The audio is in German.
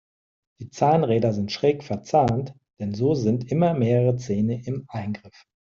Die Zahnräder sind schräg verzahnt, denn so sind immer mehrere Zähne im Eingriff.